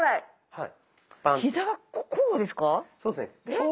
はい。